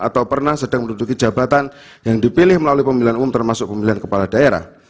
atau pernah sedang menduduki jabatan yang dipilih melalui pemilihan umum termasuk pemilihan kepala daerah